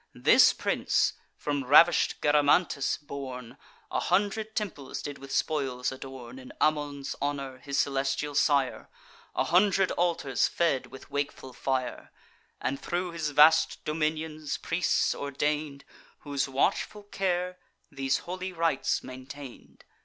This prince, from ravish'd Garamantis born, A hundred temples did with spoils adorn, In Ammon's honour, his celestial sire; A hundred altars fed with wakeful fire; And, thro' his vast dominions, priests ordain'd, Whose watchful care these holy rites maintain'd.